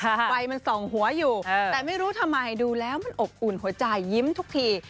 ไฟมันส่องหัวอยู่แต่ไม่รู้ทำไมดูแล้วมันอบอุ่นหัวใจยิ้มทุกที